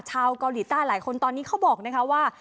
ชาวเกาหลีใต้หลายคนตอนนี้เขาบอกนะคะว่า